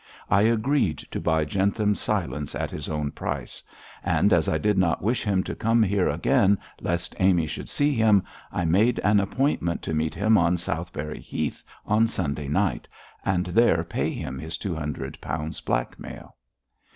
I agreed to buy Jentham's silence at his own price; and as I did not wish him to come here again, lest Amy should see him, I made an appointment to meet him on Southberry Heath on Sunday night, and there pay him his two hundred pounds blackmail.'